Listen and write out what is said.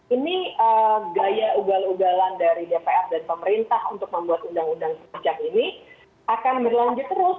ini gaya ugal ugalan dari dpr dan pemerintah untuk membuat undang undang ini akan berlanjut terus